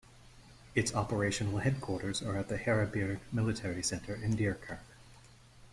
Its operational headquarters are at the Haerebierg Military Center in Diekirch.